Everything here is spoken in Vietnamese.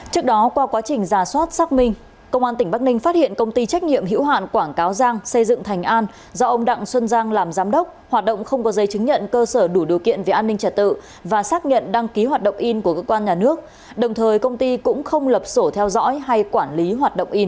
trước đó qua quá trình giả soát xác minh công an tỉnh bắc ninh phát hiện công ty trách nhiệm hữu hạn quảng cáo giang xây dựng thành an do ông đặng xuân giang làm giám đốc hoạt động không có giấy chứng nhận cơ sở đủ điều kiện về an ninh trả tự và xác nhận đăng ký hoạt động in của cơ quan nhà nước đồng thời công ty cũng không lập sổ theo dõi hay quản lý hoạt động in